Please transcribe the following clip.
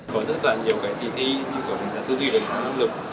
có rất là nhiều cái kỳ thi chỉ còn là thư kỷ và năng lực